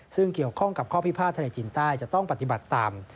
ซึ่งเกี่ยวข้องกับข้อพิพาททะเลจีนใต้จะต้องปฏิบัติตาม